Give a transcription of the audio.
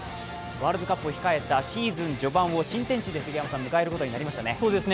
ワールドカップを控えたシーズン序盤を新天地で迎えることになりましたね。